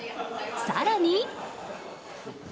更に。